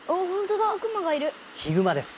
ヒグマです。